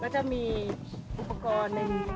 มันจะมีอุปกรณ์